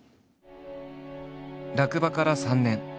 落馬から３年。